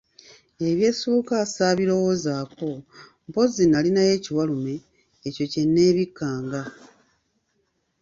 Eby'essuuka ssaabirowozaako mpozzi nalinayo ekiwalume, ekyo kye neebikkanga.